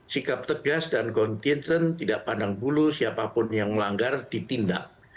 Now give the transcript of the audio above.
sikap tegas dan konten tidak pandang bulu siapapun yang melanggar ditindak